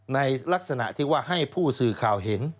ในลักษณะที่ว่าให้ผู้สื่อข่าวเห็น